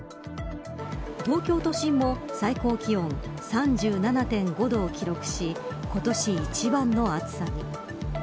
東京都心も最高気温３７．５度を記録し今年一番の暑さに。